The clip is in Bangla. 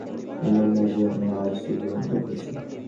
এমন না যে আমরা আয়েশে জীবন কাটয়েছি।